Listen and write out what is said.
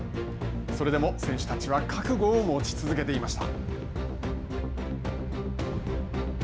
それでも選手たちは覚悟を持ち続けていました。